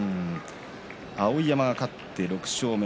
碧山が勝って６勝目。